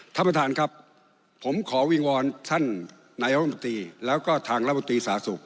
ท่านประธานครับผมขอวิงวอนท่านนายรัฐมนตรีแล้วก็ทางรัฐมนตรีสาธารณสุข